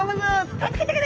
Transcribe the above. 「助けてくれ！」